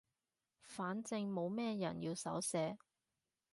反正冇咩人要手寫